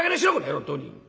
本当に。